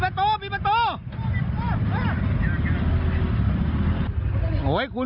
กระทั่งตำรวจก็มาด้วยนะคะ